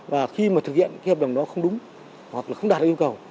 và khi mà thực hiện cái hợp đồng đó không đúng hoặc là không đạt được yêu cầu